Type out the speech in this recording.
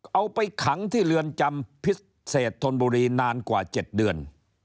เอาไปขังที่เรือนจำพิเศษธนบุรีนานกว่า๗เดือน